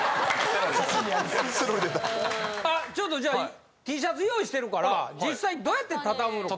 ・『セロリ』だ・あちょっとじゃあＴシャツ用意してるから実際どうやって畳むのか。